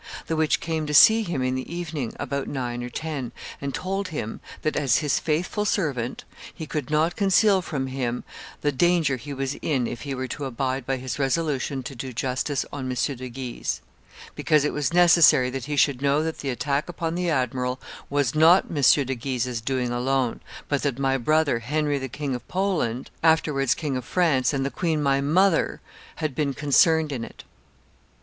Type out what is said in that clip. The which came to see him in the evening, about nine or ten, and told him that, as his faithful servant, he could not conceal from him the danger he was in if he were to abide by his resolution to do justice on M. de Guise, because it was necessary that he should know that the attack upon the admiral was not M. de Guise's doing alone, but that my brother Henry, the King of Poland, afterwards King of France, and the queen my mother, had been concerned in it; which M.